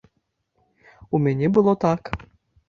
У мяне было так.